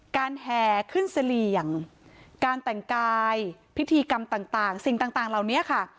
แห่ขึ้นเสลี่ยงการแต่งกายพิธีกรรมต่างสิ่งต่างเหล่านี้ค่ะ